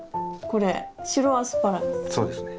これ白アスパラですね。